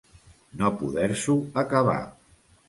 No poder-s'ho acabar.